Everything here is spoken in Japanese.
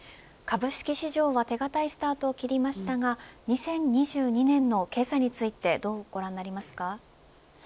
株式市場は手堅いスタートを切りましたが２０２２年の経済についてどうご覧になりますか。